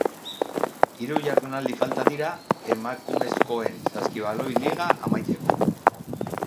Hiru jardunaldi falta dira emakumezkoen saskibaloi liga amaitzeko.